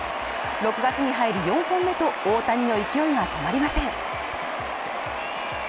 ６月に入り４本目と大谷の勢いが止まりません。